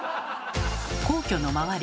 皇居の周り